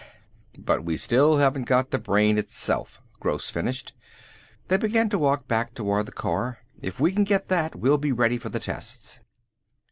But " "But we still haven't got the brain itself," Gross finished. They began to walk back toward the car. "If we can get that we'll be ready for the tests."